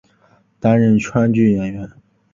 担任川剧演员。